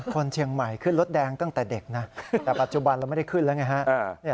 คนเชียงใหม่ขึ้นรถแดงตั้งแต่เด็กนะแต่ปัจจุบันเราไม่ได้ขึ้นแล้วไงฮะ